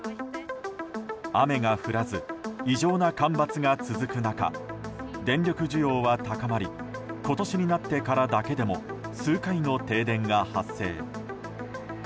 雨が降らず異常な干ばつが続く中電力需要は高まり今年になってからだけでも数回の停電が発生。